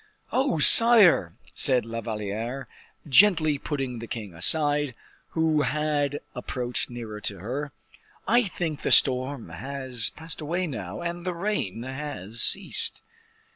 "Oh, sire!" said La Valliere, gently putting the king aside, who had approached nearer to her, "I think the storm has passed away now, and the rain has ceased."